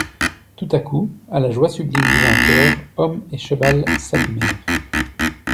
Tout à coup, à la joie sublime du vainqueur, homme et cheval s'abîmèrent.